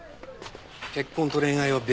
結婚と恋愛は別。